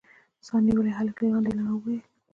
سا نيولي هلک له لاندې نه وويل.